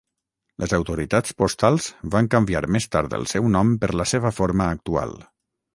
Les autoritats postals van canviar més tard el seu nom per la seva forma actual.